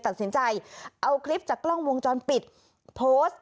ตัดสินใจเอาคลิปจากกล้องวงจรปิดโพสต์